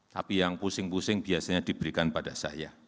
tapi yang pusing pusing biasanya diberikan pada saya